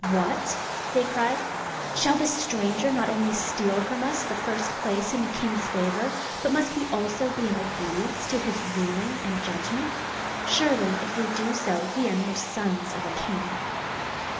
"What?" they cried, "shall this stranger not only steal from us the first place in the King's favour, but must we also be in obedience to his ruling and judgment? Surely if we do so we are no sons of a King."